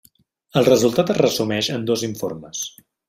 El resultat es resumeix en dos informes.